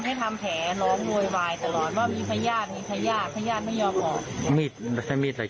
จะเอาพยาธิในอวัยวะเขา